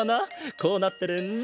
こうなってるんだ。